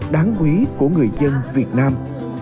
đáng quý của người dân việt nam